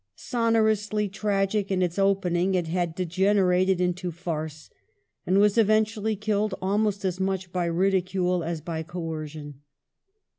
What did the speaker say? Sonorously tragic in its opening, it had degenerated into farce, and was eventually killed almost as much by ridicule as by "coercion